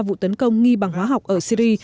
vụ tấn công nghi bằng hoa học ở syri